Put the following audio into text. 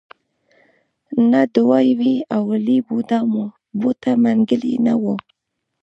نه دوه وې اولې بوډا بوته منګلی نه و.